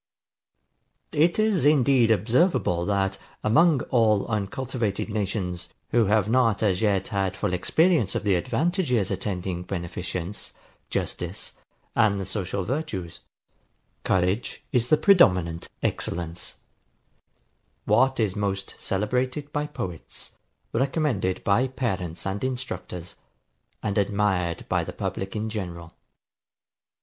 It is indeed observable, that, among all uncultivated nations, who have not as yet had full experience of the advantages attending beneficence, justice, and the social virtues, courage is the predominant excellence; what is most celebrated by poets, recommended by parents and instructors, and admired by the public in general.